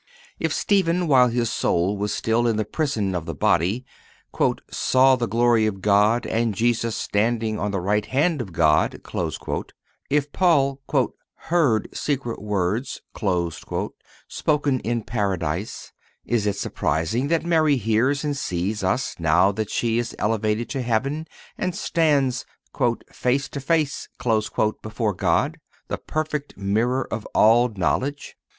If Stephen, while his soul was still in the prison of the body, "saw the glory of God, and Jesus standing on the right hand of God;"(261) if Paul "heard secret words"(262) spoken in paradise, is it surprising that Mary hears and sees us, now that she is elevated to heaven and stands "face to face" before God, the perfect Mirror of all knowledge?